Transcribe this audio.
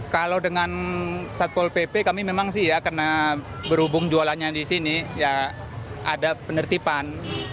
kalau dengan satpol pp kami memang sih ya karena berhubung jualannya di sini ya ada penertiban